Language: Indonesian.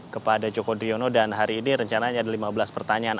kepada joko driono dan hari ini rencananya ada lima belas pertanyaan